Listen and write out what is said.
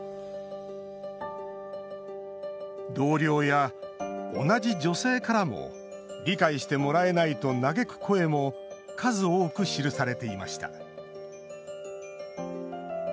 同僚や同じ女性からも理解してもらえないと嘆く声も数多く記されていました。